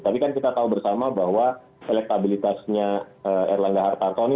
tapi kan kita tahu bersama bahwa elektabilitasnya erlangga hartarto ini